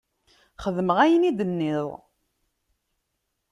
Xedmeɣ ayen i d-tenniḍ.